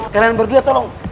kalian berdua tolong